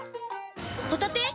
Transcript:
ホタテ⁉